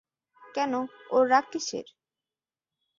কেন, ওর রাগ কিসের?